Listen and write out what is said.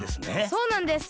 そうなんです。